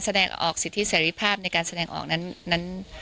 แสดงออกสิทธิเสรีภาพในการแสดงออกนั้น